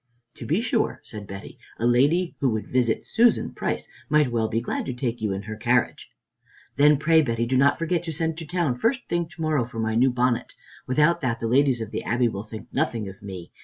"To be sure," said Betty, "a lady who would visit Susan Price might well be glad to take you in her carriage." "Then pray, Betty, do not forget to send to town first thing to morrow for my new bonnet. Without that the ladies of the Abbey will think nothing of me.